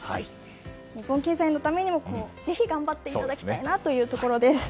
日本経済のためにもぜひ頑張っていただきたいところです。